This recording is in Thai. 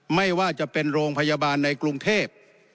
ไม่ว่าจะเป็นโรงพยาบาลในกรุงเทพ